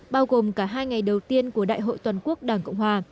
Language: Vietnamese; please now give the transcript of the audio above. bao gồm cả hai ngày đầu tiên của đại hội toàn quốc đảng cộng hòa